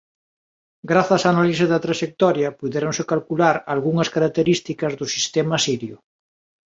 Grazas á análise da traxectoria puidéronse calcular algunhas características do sistema Sirio.